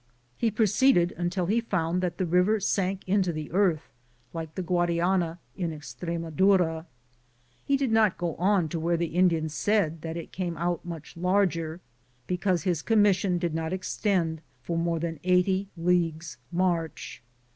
He proceeded until he found that the river sank into the earth, like the Guadiana in Estremadura.' He did . not go on to where the Indians said that it came out much larger, because his commis sion did not extend for more than 80 leagues inarch.